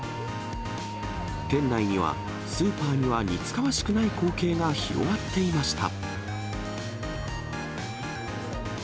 店内にはスーパーには似つかわしくない光景が広がっていました。